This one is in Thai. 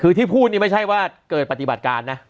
คือที่พูดนี่ไม่ใช่ว่าเกิดปฏิบัติการนะ